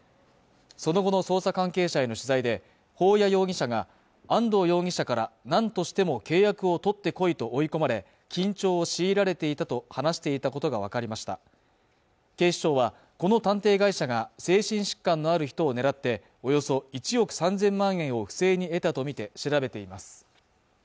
その後の捜査関係者への取材で保谷容疑者が安藤容疑者からなんとしても契約を取ってこいと追い込まれ緊張を強いられていたと話していたことが分かりました警視庁はこの探偵会社が精神疾患のある人を狙っておよそ１億３０００万円を不正に得たとみて調べています